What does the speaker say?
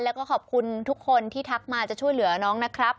แล้วก็ขอบคุณทุกคนที่ทักมาจะช่วยเหลือน้องนะครับ